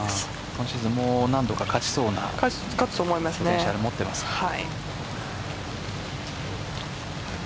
今シーズンも何度が勝ちそうなそうですね。